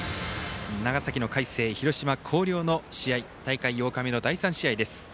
長崎の海星、広島の広陵の試合大会８日目の第３試合です。